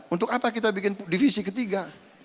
untuk apa kita bikin divisi ketiga